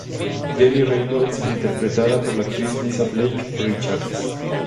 Jenny Reynolds, interpretada por la actriz Lisa Blake Richards.